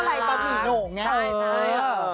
อ๋อเพราะอะไรปะหมี่โหน่งใช่